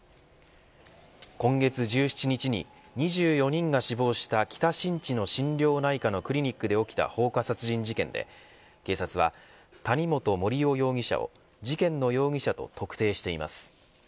今月１７日に２４人が死亡した北新地の心療内科のクリニックで起きた放火殺人事件で警察は谷本盛雄容疑者を事件の容疑者と特定しています。